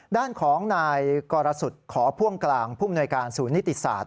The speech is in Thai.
ด้านของนายกรสุทธิขอพ่วงกลางผู้มนวยการศูนย์นิติศาสต